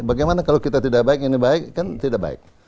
bagaimana kalau kita tidak baik ini baik kan tidak baik